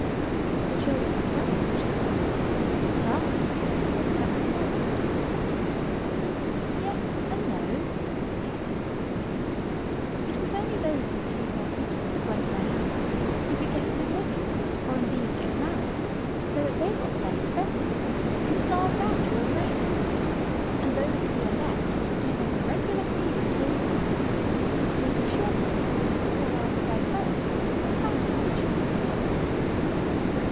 The children were very much surprised, and asked the fairy whether that was her doing. "Yes, and no," she said, smiling. "It was only those who could use their feet as well as their hands who could get a good living: or, indeed, get married; so that they got the best of everything, and starved out all the rest; and those who are left keep up a regular breed of toe thumb men, as a breed of short horns, or are skye terriers, or fancy pigeons is kept up."